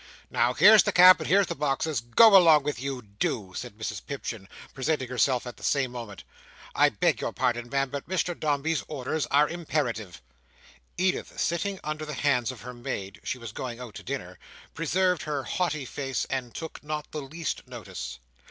"Now, here's the cab, and here's the boxes, get along with you, do!" said Mrs Pipchin, presenting herself at the same moment. "I beg your pardon, Ma'am, but Mr Dombey's orders are imperative." Edith, sitting under the hands of her maid—she was going out to dinner—preserved her haughty face, and took not the least notice.